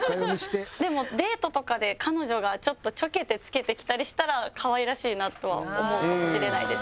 でもデートとかで彼女がちょっとちょけてつけてきたりしたら可愛らしいなとは思うかもしれないです。